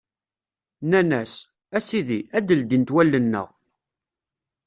Nnan-as: A Sidi, ad d-ldint wallen-nneɣ!